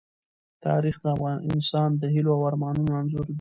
تاریخ د انسان د هيلو او ارمانونو انځور دی.